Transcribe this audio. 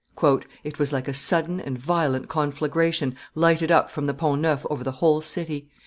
"It was like a sudden and violent conflagration lighted up from the Pont Neuf over the whole city.